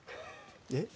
えっ？